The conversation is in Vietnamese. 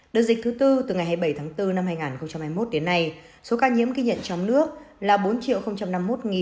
đợt dịch thứ bốn từ ngày hai mươi bảy tháng bốn năm hai nghìn hai mươi một đến nay số ca nhiễm ghi nhận trong nước là bốn năm mươi một tám trăm ba mươi hai ca